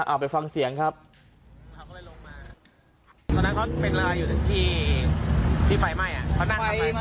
เอาไปฟังเสียงครับเขาก็เลยลงมาตอนนั้นเขาเป็นอะไรอยู่ที่ที่ไฟไหม้อ่ะเขานั่งทำอะไร